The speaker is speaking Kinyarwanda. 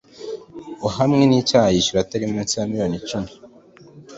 uhamwe n’icyaha yishyura atari munsi ya miliyoni icumi